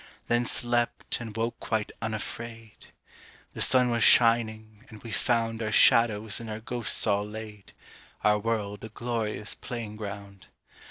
Then slept, and woke quite unafraid. The sun was shining, and we found Our shadows and our ghosts all laid, Our world a glorious playing ground.